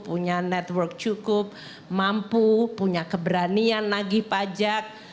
punya network cukup mampu punya keberanian nagih pajak